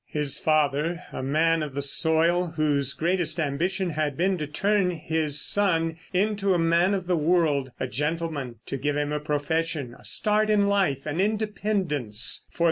His father, a man of the soil, whose greatest ambition had been to turn his son into a man of the world, a gentleman, to give him a profession, a start in life, an independence.